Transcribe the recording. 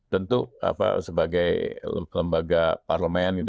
tentu sebagai lembaga parlemen